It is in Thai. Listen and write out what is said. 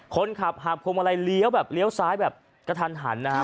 คนขับหากพวงมาลัยเลี้ยวแบบเลี้ยวซ้ายแบบกระทันหันนะฮะ